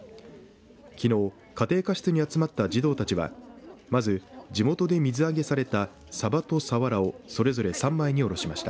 きのう家庭科室に集まった児童たちはまず、地元で水揚げされたサバとサワラをそれぞれ３枚に下ろしました。